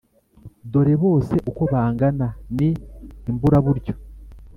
Dore bose uko bangana ni imburaburyo.